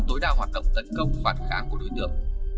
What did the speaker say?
tối đa hoạt động tấn công phản kháng của đối tượng